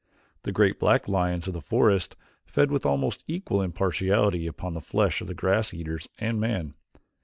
The great black lions of the forest fed with almost equal impartiality upon the flesh of the grass eaters and man.